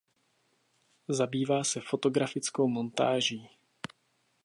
Zabývá se fotografickou montáží.